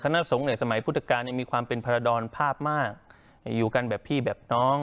นักสงฆ์เนี่ยสมัยพุทธกาลมีความเป็นพรดรภาพมากอยู่กันแบบพี่แบบน้อง